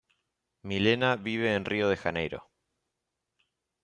Milena vive en Río de Janeiro.